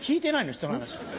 人の話。